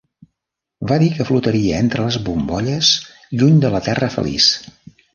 Va dir que flotaria entre les bombolles lluny de la Terra Feliç.